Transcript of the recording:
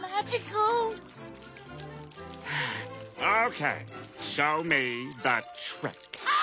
ああ！